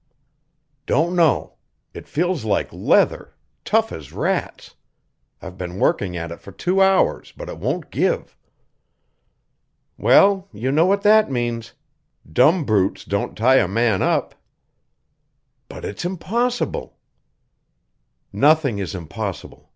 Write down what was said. "Don't know; it feels like leather; tough as rats. I've been working at it for two hours, but it won't give." "Well, you know what that means. Dumb brutes don't tie a man up." "But it's impossible." "Nothing is impossible.